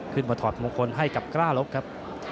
ขึ้นมาถอดมงคลให้กับกล้ารบครับ